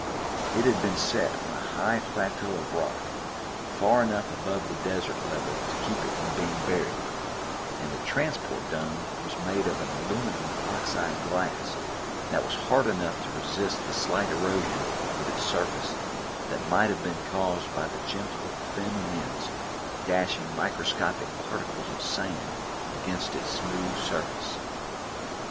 It had been set on a high plateau of rock, far enough above the desert level to keep it from being buried, and the transparent dome was made of an aluminum oxide glass that was hard enough to resist the slight erosion of its surface that might have been caused by the gentle, thin winds dashing microscopic particles of sand against its smooth surface.